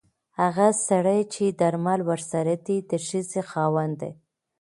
هغه سړی چې درمل ورسره دي د ښځې خاوند دی.